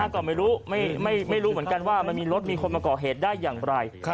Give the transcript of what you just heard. ก็ไม่รู้ไม่รู้เหมือนกันว่ามันมีรถมีคนมาก่อเหตุได้อย่างไร